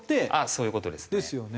そういう事ですね。ですよね。